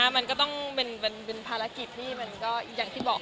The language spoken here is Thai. มันก็เป็นภารกิจที่